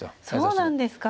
そうなんですか。